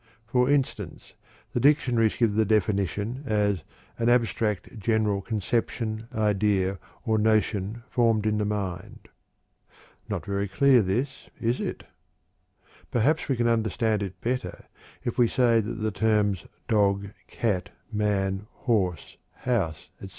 For instance, the dictionaries give the definition as "an abstract, general conception, idea, or notion formed in the mind." Not very clear this, is it? Perhaps we can understand it better if we say that the terms dog, cat, man, horse, house, etc.